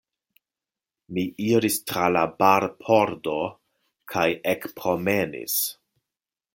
Mi iris tra la barpordo kaj ekpromenis.